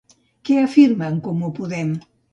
Què afirma En Comú Podem?